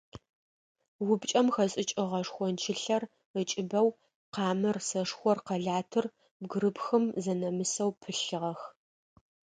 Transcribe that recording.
Упкӏэм хэшӏыкӏыгъэ шхончылъэр ыкӏыбэу, къамэр, сэшхор, къэлатыр бгырыпхым зэнэмысэу пылъыгъэх.